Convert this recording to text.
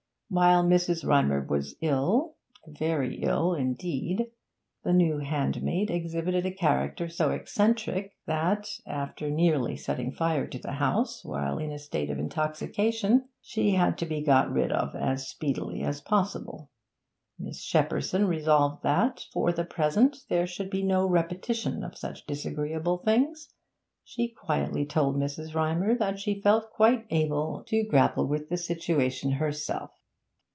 While Mrs. Rymer was ill very ill indeed the new handmaid exhibited a character so eccentric that, after nearly setting fire to the house while in a state of intoxication, she had to be got rid of as speedily as possible. Miss Shepperson resolved that, for the present, there should be no repetition of such disagreeable things. She quietly told Mr. Rymer that she felt quite able to grapple with the situation herself.